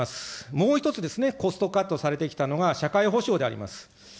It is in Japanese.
もう１つ、コストカットされてきたのが、社会保障であります。